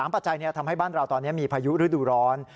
ปัจจัยทำให้บ้านเราตอนนี้มีพายุฤดูร้อน